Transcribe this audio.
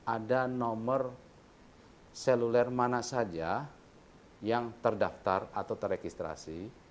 ada nomor seluler mana saja yang terdaftar atau terekistrasi